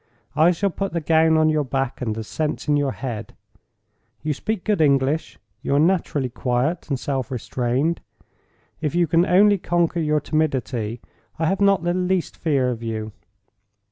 I shall put the gown on your back, and the sense in your head. You speak good English; you are naturally quiet and self restrained; if you can only conquer your timidity, I have not the least fear of you.